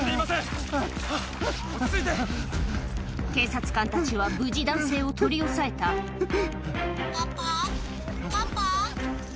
警察官たちは無事男性を取り押さえたほら。